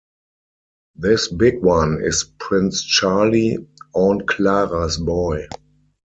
This big one is Prince Charlie, Aunt Clara's boy.